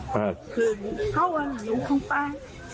คือเขาอยู่ข้างปลา